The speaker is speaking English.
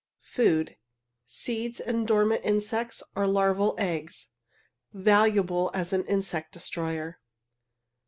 Food seeds and dormant insects or larval eggs. Valuable as an insect destroyer.